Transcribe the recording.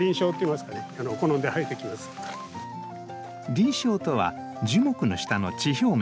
林床とは樹木の下の地表面。